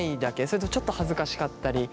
それともちょっと恥ずかしかったり。